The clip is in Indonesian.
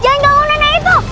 yang ga mau nenek itu